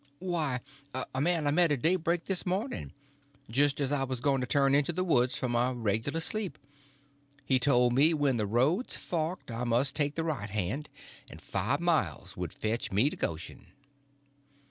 "Why, a man I met at daybreak this morning, just as I was going to turn into the woods for my regular sleep. He told me when the roads forked I must take the right hand, and five mile would fetch me to Goshen."